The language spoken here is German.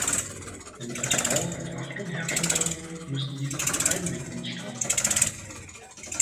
Wenn Vertrauen und Achtung herrschen soll, dann müssen diese von allen Mitgliedstaaten kommen.